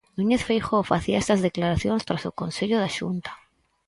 Núñez Feijóo facía estas declaracións tras o Consello da Xunta.